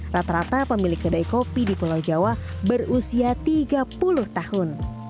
rata rata pemilik kedai kopi di pulau jawa berusia tiga puluh tahun